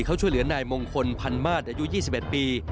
เขาช่วยเหลือนายมงคลพันมาศอายุ๒๑ปี